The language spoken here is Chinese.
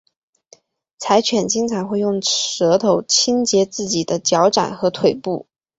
柴犬经常会用舌头清洁自己的脚掌和腿部。